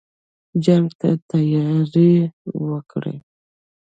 جنګ ته تیاری وکړی.